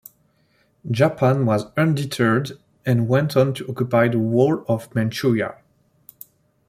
Japan was undeterred and went on to occupy the whole of Manchuria.